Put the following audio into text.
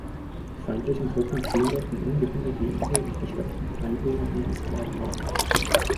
Die feindlichen Truppen plünderten ungehindert die Insel und verschleppten die Einwohner in die Sklaverei.